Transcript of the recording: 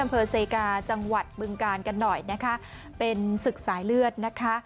อำเภอเซกาจังหวัดบึงกาลกันหน่อยนะคะเป็นศึกสายเลือดนะคะ